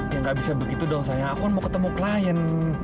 ya gak bisa begitu dong sayang aku kan mau ketemu klien